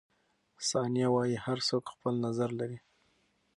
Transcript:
ثانیه وايي، هر څوک خپل نظر لري.